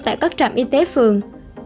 tại các trạm y tế phường